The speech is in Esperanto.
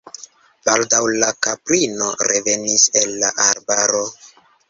Baldaŭ la kaprino revenis el la arbaro.